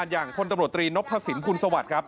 อย่างคนตำรวจตรีนพระสินคุณสวัสดิ์ครับ